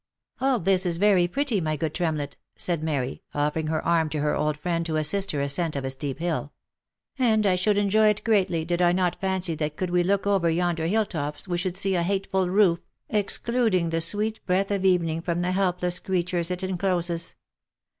" All this is very pretty, my good Tremlett," said Mary, offering her arm to her old friend to assist her ascent of a steep hill, " and I should enjoy it greatly did I not fancy that could we look over yonder hill tops we should see a hateful roof, excluding the sweet breath of evening from the helpless creatures it encloses."